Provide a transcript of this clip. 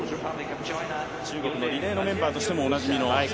中国のリレーのメンバーとしてもおなじみです。